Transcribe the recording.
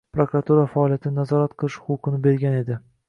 Prokuratura faoliyatini nazorat qilish huquqini bergan edi